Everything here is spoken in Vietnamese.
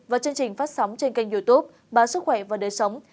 và chương trình phát sóng trên kênh youtube báo sức khỏe và đời sống